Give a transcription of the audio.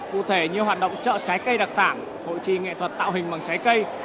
cụ thể như hoạt động chợ trái cây đặc sản hội trì nghệ thuật tạo hình bằng trái cây